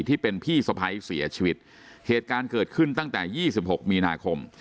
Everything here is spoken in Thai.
ที่เป็นพี่สะพ้ายเสียชีวิตเหตุการณ์เกิดขึ้นตั้งแต่ยี่สิบหกมีนาคม